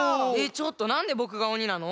ちょっとなんでぼくがおになの？